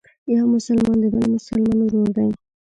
یو مسلمان د بل مسلمان ورور دی.